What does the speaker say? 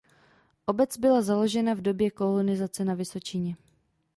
Obec byla založena v době kolonizace na Vysočině.